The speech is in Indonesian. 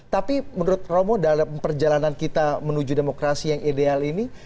tapi menurut romo dalam perjalanan kita menuju demokrasi yang ideal ini